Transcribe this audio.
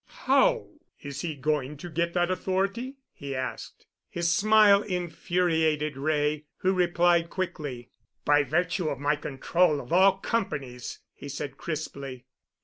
"How is he going to get that authority?" he asked. His smile infuriated Wray, who replied quickly. "By virtue of my control of all companies," he said crisply.